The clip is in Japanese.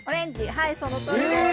はいそのとおりです。